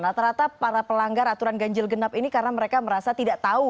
rata rata para pelanggar aturan ganjil genap ini karena mereka merasa tidak tahu